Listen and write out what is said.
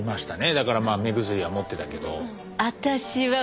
だからまあ目薬は持ってたけど。